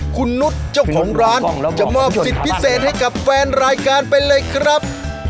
คุณนุษย์เจ้าของร้านจะมอบสิทธิ์พิเศษให้กับแฟนรายการไปเลยครับ